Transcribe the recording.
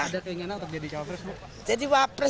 ada keinginan untuk jadi jawab pres bu